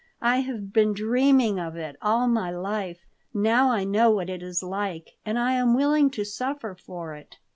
I have been dreaming of it all my life. Now I know what it is like, and I am willing to suffer for it.